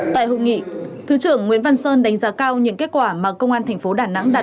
tại hội nghị thứ trưởng nguyễn văn sơn đánh giá cao những kết quả mà công an thành phố đà nẵng đạt